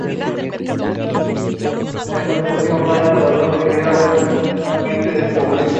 La voz que aboga por el amor, el amor a la acción.